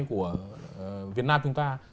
của việt nam chúng ta